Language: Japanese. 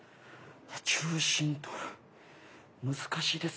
中心とる難しいです。